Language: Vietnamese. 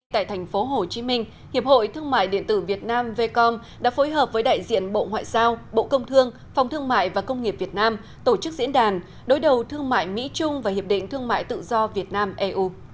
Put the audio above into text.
tại thành phố hồ chí minh hiệp hội thương mại điện tử việt nam vcom đã phối hợp với đại diện bộ ngoại giao bộ công thương phòng thương mại và công nghiệp việt nam tổ chức diễn đàn đối đầu thương mại mỹ trung và hiệp định thương mại tự do việt nam eu